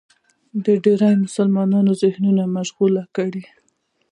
د ډېرو مسلمانانو ذهنونه مشغول کړل